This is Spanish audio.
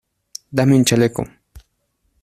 ¡ dame un chaleco!